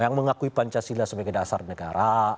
yang mengakui pancasila sebagai dasar negara